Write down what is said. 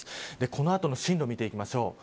この後の進路を見ていきましょう。